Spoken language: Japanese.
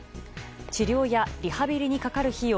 治療やリハビリにかかる費用